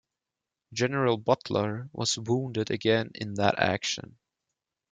General Butler was wounded again in that action.